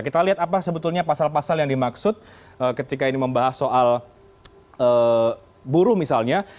kita lihat apa sebetulnya pasal pasal yang dimaksud ketika ini membahas soal buruh misalnya